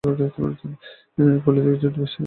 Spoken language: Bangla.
ফলিত জ্যোতিষে তাঁর যেমন বিশ্বাস ছিল তেমনি ব্যুৎপত্তি।